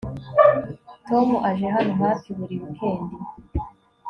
Tom aje hano hafi buri wikendi